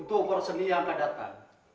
untuk perseni yang akan datang